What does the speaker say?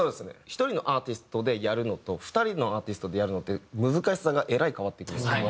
１人のアーティストでやるのと２人のアーティストでやるのって難しさがえらい変わってくるんですよ